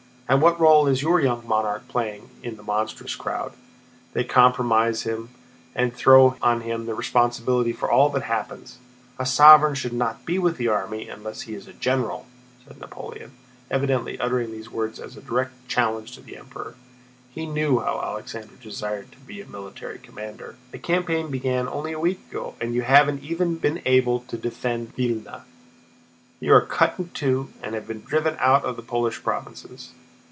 And what role is your young monarch playing in that monstrous crowd? They compromise him and throw on him the responsibility for all that happens. A sovereign should not be with the army unless he is a general!" said Napoleon, evidently uttering these words as a direct challenge to the Emperor. He knew how Alexander desired to be a military commander. "The campaign began only a week ago, and you haven't even been able to defend Vílna. You are cut in two and have been driven out of the Polish provinces.